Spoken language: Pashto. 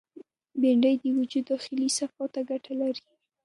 بېنډۍ د وجود داخلي صفا ته ګټه لري